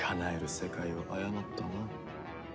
世界を誤ったな。